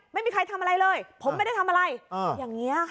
ไม่มีใครทำอะไรเลยผมไม่ได้ทำอะไรอย่างนี้ค่ะ